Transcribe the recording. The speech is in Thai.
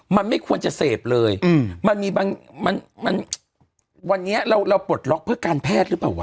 มันไม่ควรจะเสพเลยมันมีบางมันวันนี้เราปลดล็อกเพื่อการแพทย์หรือเปล่าวะ